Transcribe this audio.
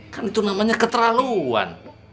kan itu namanya keterlaluan